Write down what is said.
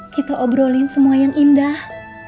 kita obrolin semua yang indah